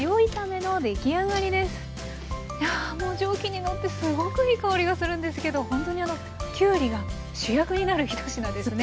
もう蒸気にのってすごくいい香りがするんですけどほんとにきゅうりが主役になるひと品ですね。